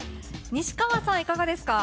西川さん、いかがですか？